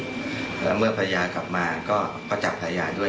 แล้วเมื่อภรรยากลับมาก็จับภรรยาด้วย